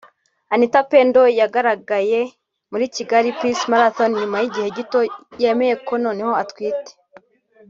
Anita Pendo yagaragaye muri Kigali Peace Marathon nyuma y’igihe gito yemeye ko noneho atwite